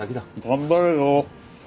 頑張れよ。